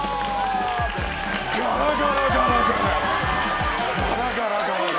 ガラガラガラガラ。